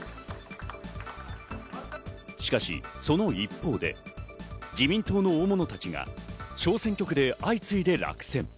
しかし、その一方で自民党の大物たちが小選挙区で相次いで落選。